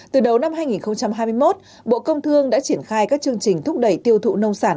từ đầu năm hai nghìn hai mươi một bộ công thương đã triển khai các chương trình thúc đẩy tiêu thụ nông sản